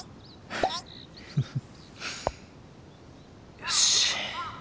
よし。